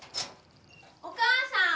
お母さん？